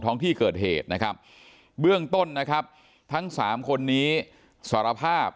ท้องที่เกิดเหตุนะครับเบื้องต้นนะครับทั้งสามคนนี้สารภาพ